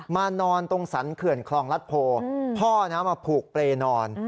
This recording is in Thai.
นอนตรงสรรเขื่อนคลองรัฐโพพ่อมาผูกเปรย์นอน